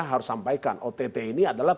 harus sampaikan ott ini adalah